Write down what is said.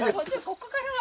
ここからは。